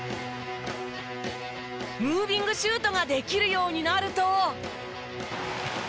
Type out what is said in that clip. ムービングシュートができるようになると。